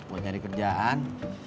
mau cari kerjaan